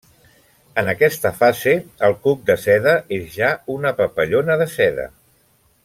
En aquesta fase el cuc de seda és ja una papallona de seda.